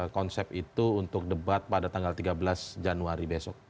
konsep itu untuk debat pada tanggal tiga belas januari besok